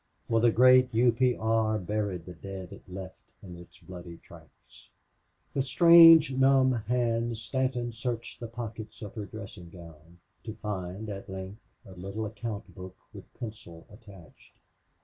For the great U. P. R. buried the dead it left in its bloody tracks! With strange, numb hands Stanton searched the pockets of her dressing gown, to find, at length, a little account book with pencil attached.